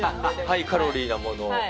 ハイカロリーなもの。